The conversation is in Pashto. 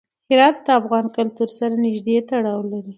هرات د افغان کلتور سره نږدې تړاو لري.